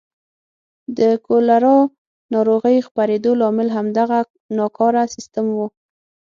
د کولرا ناروغۍ خپرېدو لامل همدغه ناکاره سیستم و.